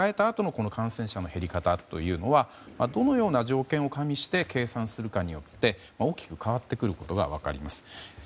あとの感染者の減り方というのはどのような条件を加味して計算するかによって大きく変わってくることが分かります。